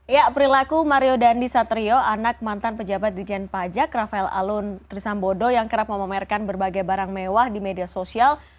ya perilaku mario dandi satrio anak mantan pejabat di jen pajak rafael alun trisambodo yang kerap memamerkan berbagai barang mewah di media sosial